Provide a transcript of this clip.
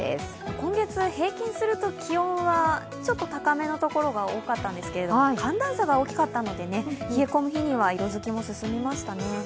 今月平均すると気温はちょっと高めの所が多かったんですけれども、寒暖差が大きかったので、冷え込む日には色付きも進みましたね。